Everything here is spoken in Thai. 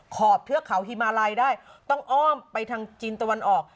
ขอบเทือกเขาฮิมาลัยได้ต้องอ้อมไปทางจีนตะวันออก